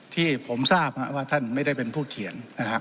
ที่ผมทราบว่าท่านไม่ได้เป็นผู้เขียนนะครับ